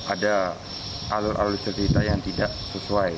ada alur alur cerita yang tidak sesuai